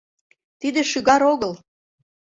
Тиде шӱгар огыл!